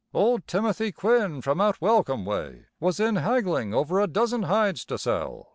"Old Timothy Quinn from out Welcombe way was in haggling over a dozen hides to sell.